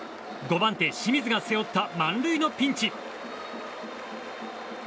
５番手、清水が背負った満塁のピンチ。